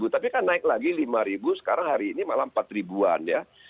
tapi kan naik lagi lima ribu sekarang hari ini malah empat ribuan ya